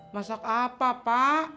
masak apa pak